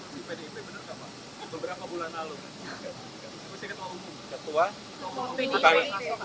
bapak mau merebut versi pdip bener nggak pak